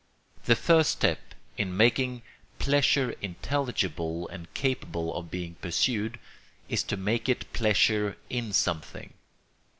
The first step in making pleasure intelligible and capable of being pursued is to make it pleasure in something.